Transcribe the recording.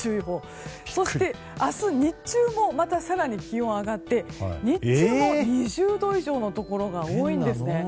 そして明日、日中もまた更に気温が上がって日中も２０度以上のところが多いんですね。